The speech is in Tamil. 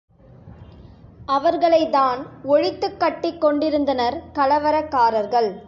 அவர்களைத் தான் ஒழித்துக்கட்டி கொண்டிருந்தனர் கலவரக்காரர்கள்.